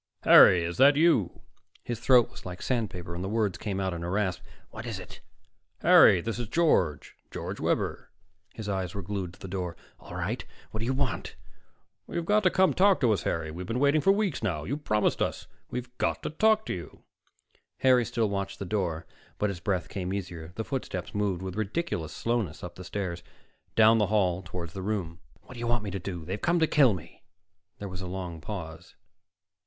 "Harry! Is that you?" His throat was like sandpaper and the words came out in a rasp. "What is it?" "Harry, this is George George Webber." His eyes were glued to the door. "All right. What do you want?" "You've got to come talk to us, Harry. We've been waiting for weeks now. You promised us. We've got to talk to you." Harry still watched the door, but his breath came easier. The footsteps moved with ridiculous slowness up the stairs, down the hall toward the room. "What do you want me to do? They've come to kill me." There was a long pause.